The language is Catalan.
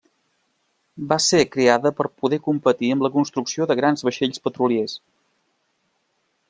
Va ser creada per poder competir amb la construcció de grans vaixells petroliers.